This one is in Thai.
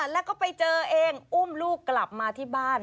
แล้วก็ไปเจอเองอุ้มลูกกลับมาที่บ้าน